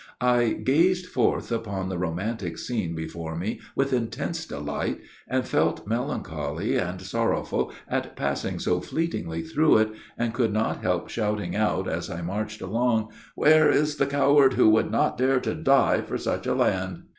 I gazed forth upon the romantic scene before me with intense delight, and felt melancholy and sorrowful at passing so fleetingly through it, and could not help shouting out, as I marched along, "Where is the coward who would not dare to die for such a land?"